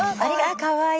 かわいい。